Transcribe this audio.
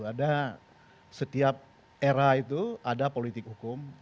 ada setiap era itu ada politik hukum